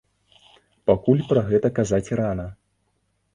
Пакуль пра гэта казаць рана.